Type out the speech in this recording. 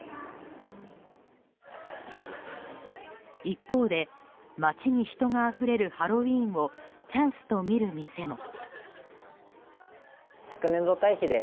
一方で街に人があふれるハロウィーンをチャンスとみる店も。